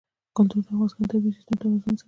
کلتور د افغانستان د طبعي سیسټم توازن ساتي.